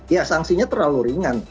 ya sanksinya terlalu ringan